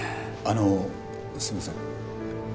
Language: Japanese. あのすいません。